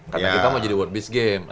karena kita mau jadi world peace game